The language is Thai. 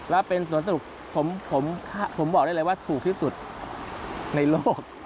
แล้วเป็นสวนสนุกผมบอกได้เลยว่าถูกที่สุดในโลก